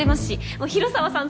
もう広沢さん